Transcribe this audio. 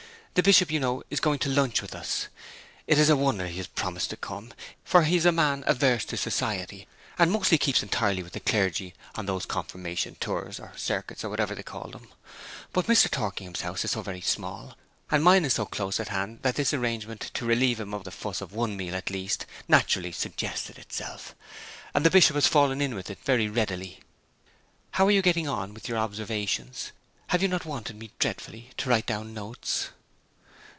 The Bishop, you know, is going to lunch with us. It is a wonder he has promised to come, for he is a man averse to society, and mostly keeps entirely with the clergy on these confirmation tours, or circuits, or whatever they call them. But Mr. Torkingham's house is so very small, and mine is so close at hand, that this arrangement to relieve him of the fuss of one meal, at least, naturally suggested itself; and the Bishop has fallen in with it very readily. How are you getting on with your observations? Have you not wanted me dreadfully, to write down notes?'